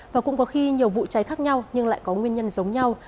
và cũng có khi nhiều vụ cháy khác nhau nhưng lại có nguyên nhân giống nhau